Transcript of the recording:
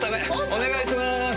お願いしまーす！